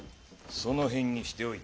その辺にしておいたがよい。